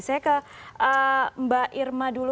saya ke mbak irma dulu